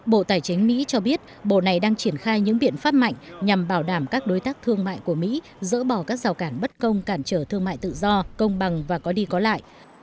bộ tài chính mỹ cho biết bộ này đang triển khai những biện pháp mạnh nhằm bảo đảm các đối tác thương mại của mỹ dỡ bỏ các rào cản bất công cản trở thương mại tự do công bằng và có đi có lại